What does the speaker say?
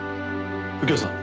右京さん。